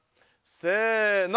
せの！